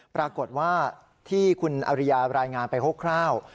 ปรากฏว่าที่คุณอริยารายงานไปคร่าว